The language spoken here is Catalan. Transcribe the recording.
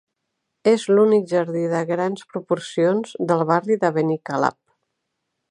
És l'únic jardí de grans proporcions del barri de Benicalap.